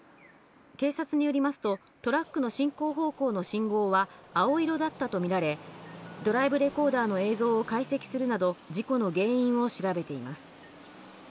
警察によりますと、トラックの進行方向の信号は青色だったと見られ、ドライブレコーダーの映像を解析するなど、事故の原因を調べています。